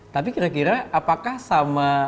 tapi kira kira apakah sama